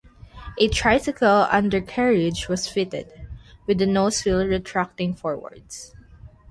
A tricycle undercarriage was fitted, with the nosewheel retracting forwards.